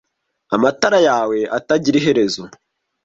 amatara yawe atagira iherezo